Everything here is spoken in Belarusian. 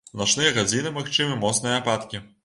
У начныя гадзіны магчымы моцныя ападкі.